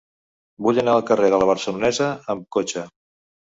Vull anar al carrer de La Barcelonesa amb cotxe.